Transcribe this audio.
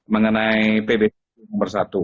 mengenai pb no satu